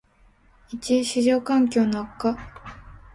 ① 市場環境の悪化